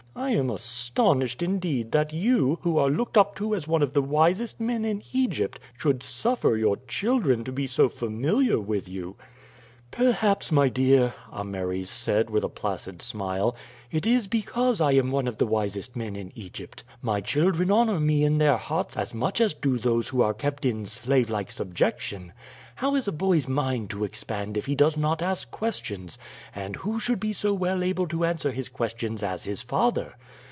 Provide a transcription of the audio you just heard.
I am astonished indeed that you, who are looked up to as one of the wisest men in Egypt, should suffer your children to be so familiar with you." "Perhaps, my dear," Ameres said with a placid smile, "it is because I am one of the wisest men in Egypt. My children honor me in their hearts as much as do those who are kept in slavelike subjection. How is a boy's mind to expand if he does not ask questions, and who should be so well able to answer his questions as his father?